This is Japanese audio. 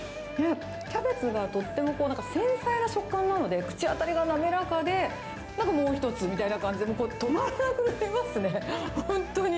キャベツがとってもこう、繊細な食感なので、口当たりが滑らかで、なんかもう一つみたいな感じで、もう止まらなくなりますね。